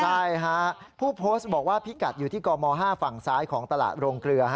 ใช่ฮะผู้โพสต์บอกว่าพิกัดอยู่ที่กม๕ฝั่งซ้ายของตลาดโรงเกลือ